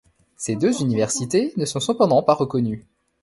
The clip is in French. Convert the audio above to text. Ces deux universités ne sont cependant pas reconnues.